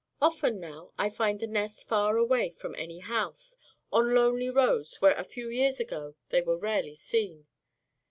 Often now I find the nests far away from any house, on lonely roads where a few years ago they were rarely seen.